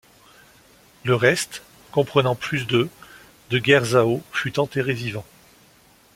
Le reste, comprenant plus de de guerre zhao, fut enterré vivant.